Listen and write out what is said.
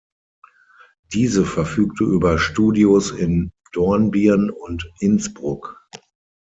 Diese verfügte über Studios in Dornbirn und Innsbruck.